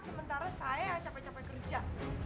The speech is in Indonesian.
sementara saya yang capek capek kerja